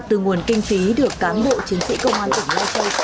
từ nguồn kinh phí được cán bộ chiến sĩ công an tỉnh lai châu